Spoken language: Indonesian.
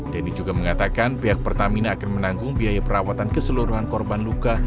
denny juga mengatakan pihak pertamina akan menanggung biaya perawatan keseluruhan korban luka